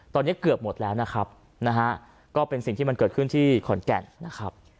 ตอนนี้เกือบหมดแล้วนะครับนะฮะก็เป็นสิ่งที่มันเกิดขึ้นที่ขอนแก่นนะครับ